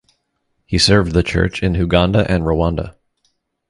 He served the church in Uganda and Rwanda.